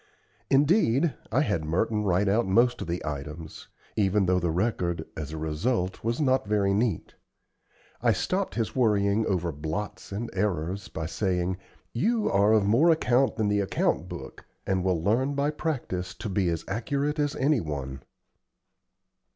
Indeed, I had Merton write out most of the items, even though the record, as a result, was not very neat. I stopped his worrying over blots and errors, by saying, "You are of more account than the account book, and will learn by practice to be as accurate as any one."